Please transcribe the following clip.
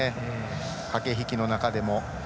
駆け引きの中でも。